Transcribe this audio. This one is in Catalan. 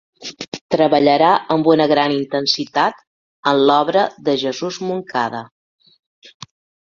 Treballarà amb una gran intensitat en l'obra de Jesús Moncada.